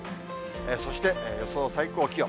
そして予想最高気温。